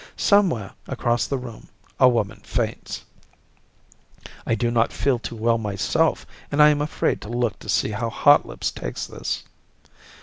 Somewhere, across the room, a woman faints. I do not feel too well myself, and I am afraid to look to see how Hotlips takes this.